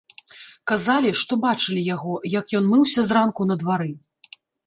Казалі, што бачылі яго, як ён мыўся зранку на двары.